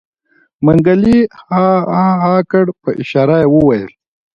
منګلي عاعاعا کړ په اشاره يې وويل.